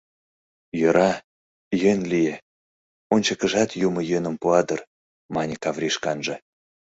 «Йӧра, йӧн лие, ончыкыжат юмо йӧным пуа дыр, — мане Каврий шканже.